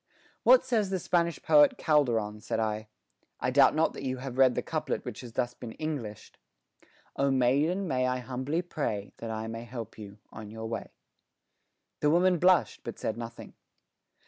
"What says the Spanish poet Calderon?" said I. "I doubt not that you have read the couplet which has been thus Englished: Oh, maiden, may I humbly pray That I may help you on your way." The woman blushed, but said nothing.